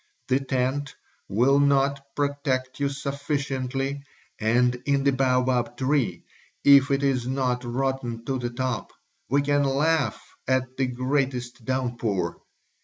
The tent will not protect you sufficiently and in the baobab tree if it is not rotten to the top, we can laugh at the greatest downpour.